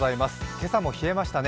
今朝も冷えましたね。